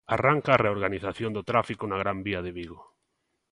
Arranca a reorganización do tráfico na Gran Vía de Vigo.